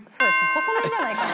細麺じゃないかな。